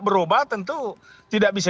berubah tentu tidak bisa